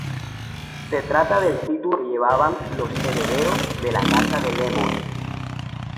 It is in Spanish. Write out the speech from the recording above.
Se trata del título que llevaban los herederos de la casa de Lemos.